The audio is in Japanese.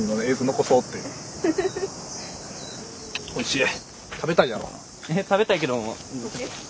おいしい。